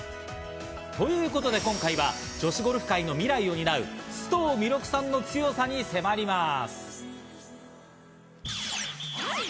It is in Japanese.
ということで、今回は女子ゴルフ界の未来を担う須藤弥勒さんの強さに迫ります。